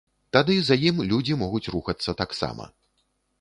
Тады за ім людзі могуць рухацца таксама.